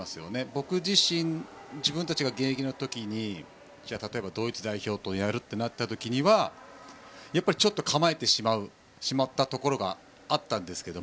僕自身、自分たちが現役の時にドイツ代表とやるとなった時はやっぱり、ちょっと構えてしまったところがあったんですが。